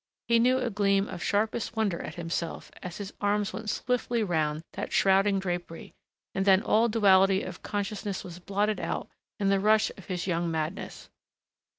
He knew a gleam of sharpest wonder at himself as his arms went swiftly round that shrouding drapery, and then all duality of consciousness was blotted out in the rush of his young madness.